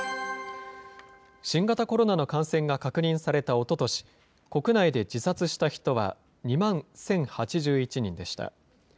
新型コロナの感染が確認されたおととし、国内で自殺した人は２万１０８１人でした。